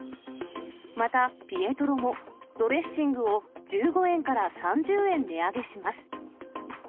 またピエトロも、ドレッシングを１５円から３０円値上げします。